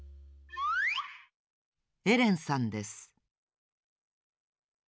エレンさんです。